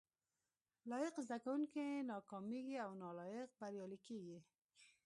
لايق زده کوونکي ناکامېږي او نالايق بريالي کېږي